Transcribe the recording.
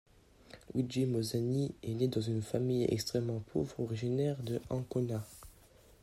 Luigi Mozzani est né dans une famille extrêmement pauvre originaire de Ancona.